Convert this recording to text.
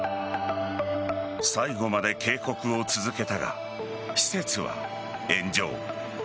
最後まで警告を続けたが施設は炎上。